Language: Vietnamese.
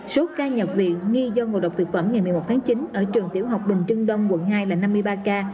số ca nhập viện nghi do ngộ độc thực phẩm ngày một mươi một tháng chín ở trường tiểu học bình trưng đông quận hai là năm mươi ba ca